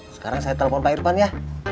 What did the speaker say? sekarang saya telepon pak irfan ya